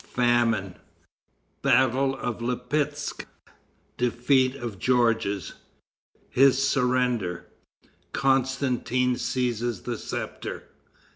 Famine. Battle of Lipetsk. Defeat of Georges. His Surrender. Constantin Seizes the Scepter.